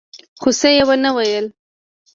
خو څه يې ونه ويل.